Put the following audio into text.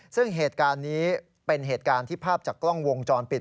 ซึ่งเหตุการณ์นี้เป็นเหตุการณ์ที่ภาพจากกล้องวงจรปิด